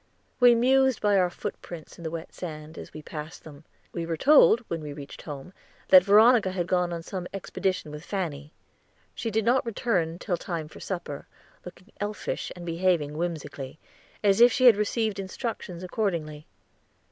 We mused by our footprints in the wet sand, as we passed them. We were told when we reached home that Veronica had gone on some expedition with Fanny. She did not return till time for supper, looking elfish, and behaving whimsically, as if she had received instructions accordingly.